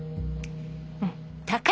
うん。